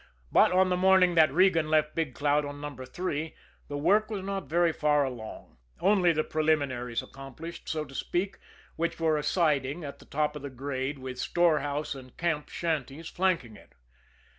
But on the morning that Regan left Big Cloud on No. 3, the work was not very far along only the preliminaries accomplished, so to speak, which were a siding at the top of the grade, with storehouse and camp shanties flanking it.